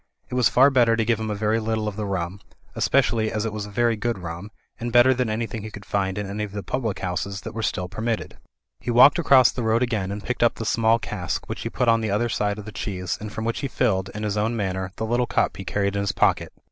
It was far better to give him a very little of the rum, espe cially as it was very good rum, and better than any thing he could find in any of the public houses that were still permitted. He walked across the road again CREATURE THAT MAN FORGETS 173 and picked up the small cask, which he put on the other side of the cheese and from which he filled, in his own manner, the little cup he carried in his pocket.